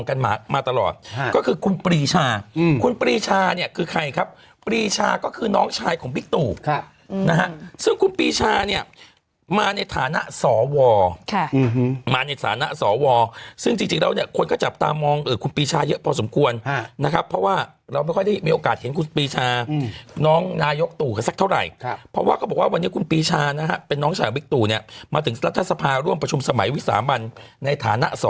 คือใครครับปีชาก็คือน้องชายของวิกตุนะฮะซึ่งคุณปีชาเนี้ยมาในฐานะสอวรมาในฐานะสอวรซึ่งจริงจริงแล้วเนี้ยคนก็จับตามองเอ่อคุณปีชาเยอะพอสมควรนะครับเพราะว่าเราไม่ค่อยได้มีโอกาสเห็นคุณปีชาน้องนายกตุสักเท่าไหร่เพราะว่าก็บอกว่าวันนี้คุณปีชานะฮะเป็นน้องชายวิกตุเนี้ยมาถึงรัฐ